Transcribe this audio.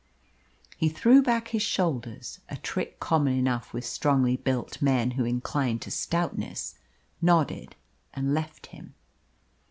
He threw back his shoulders a trick common enough with strongly built men who incline to stoutness nodded, and left him.